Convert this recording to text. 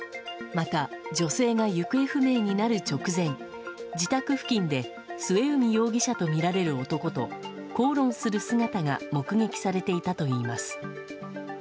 また、女性が行方不明になる直前自宅付近で末海容疑者とみられる男と口論する姿が目撃されていたといいます。